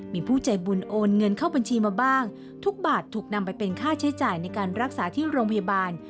มีผู้ใจบุญโอนเงินเข้าบัญชีมาบ้างทุกบาทถูกนำไปเป็นค่าใช้จ่ายในการรักษาที่โรงพยาบาล